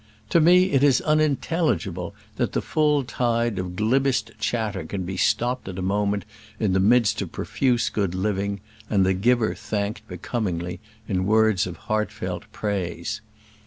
To me it is unintelligible that the full tide of glibbest chatter can be stopped at a moment in the midst of profuse good living, and the Giver thanked becomingly in words of heartfelt praise.